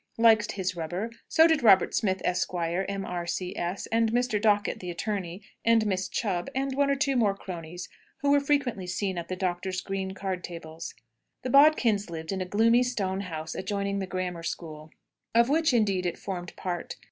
liked his rubber; so did Robert Smith, Esq., M.R.C.S., and Mr. Dockett, the attorney, and Miss Chubb, and one or two more cronies, who were frequently seen at the doctor's green card tables. The Bodkins lived in a gloomy stone house adjoining the grammar school, of which, indeed, it formed part.